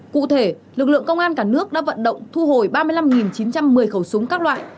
cụ thể lực lượng công an cả nước đã vận động thu hồi ba mươi năm chín trăm một mươi khẩu súng các loại